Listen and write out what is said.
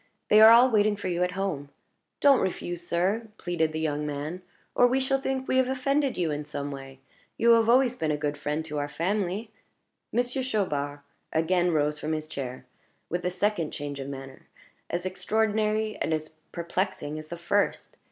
They are all waiting for you at home. Don't refuse, sir," pleaded the young man, "or we shall think we have offended you in some way. You have always been a good friend to our family " Monsieur Chaubard again rose from his chair, with a second change of manner, as extraordinary and as perplexing as the first.